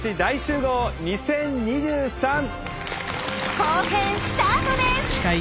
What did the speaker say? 後編スタートです！